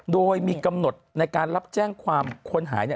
โดยมีกำหนดในการรับแจ้งความคนหาย